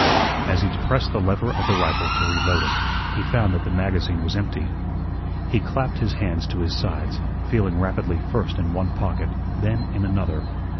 As he depressed the lever of the rifle to reload it, he found that the magazine was empty. He clapped his hands to his sides, feeling rapidly first in one pocket, then in another.